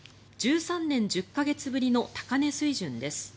１３年１０か月ぶりの高値水準です。